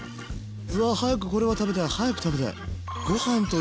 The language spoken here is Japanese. うわ早くこれは食べたい早く食べたい。